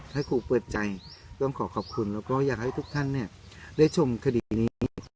ถ้าครูเปิดใจต้องขอขอบคุณแล้วก็อยากให้ทุกท่านได้ชมคดีนี้